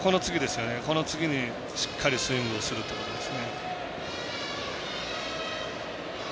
この次に、しっかりスイングをするということです。